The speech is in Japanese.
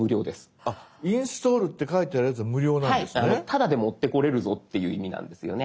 タダで持ってこれるぞっていう意味なんですよね。